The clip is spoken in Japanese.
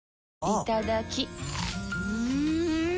いただきっ！